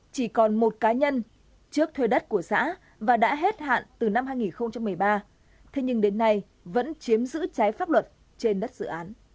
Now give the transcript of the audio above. chỉ còn một cá nhân trước thuê đất của xã và đã hết hạn từ năm hai nghìn một mươi ba thế nhưng đến nay vẫn chiếm giữ trái pháp luật trên đất dự án